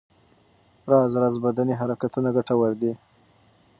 راز راز بدني حرکتونه ګټور دي.